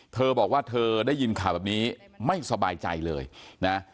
เธอบอกว่าเธอได้ยินข่าวแบบนี้ไม่สบายใจเลยนะ